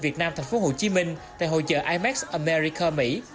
việt nam tp hcm tại hội chở imax america mỹ